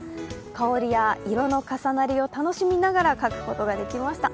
香りや色の重なりを楽しみならが描くことができました。